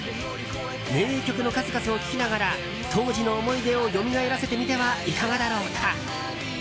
名曲の数々を聴きながら当時の思い出をよみがえらせてみてはいかがだろうか。